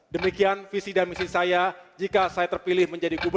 demikian visi dan misi saya jika saya terpilih menjadi gubernur